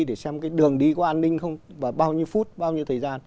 để xem cái đường đi có an ninh không bao nhiêu phút bao nhiêu thời gian